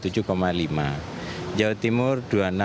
jawa timur dua puluh enam